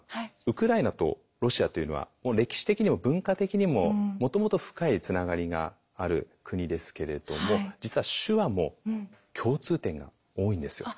ウクライナとロシアというのは歴史的にも文化的にももともと深いつながりがある国ですけれども実は手話も共通点が多いんですよ。